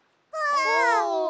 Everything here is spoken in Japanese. あ。